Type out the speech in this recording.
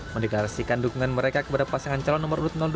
mendeklarasikan dukungan mereka kepada pasangan calon nomor urut dua